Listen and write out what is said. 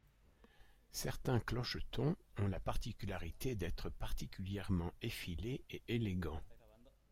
Certains clochetons ont la particularité d'être particulièrement effilés et élégants.